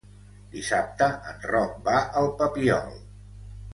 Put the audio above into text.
Dissabte en Roc va al Papiol.